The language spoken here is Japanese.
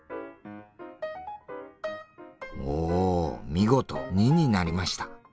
見事２になりました。